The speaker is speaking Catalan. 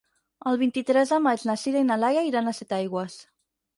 El vint-i-tres de maig na Sira i na Laia iran a Setaigües.